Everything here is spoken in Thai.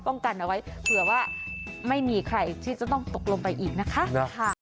กันเอาไว้เผื่อว่าไม่มีใครที่จะต้องตกลงไปอีกนะคะ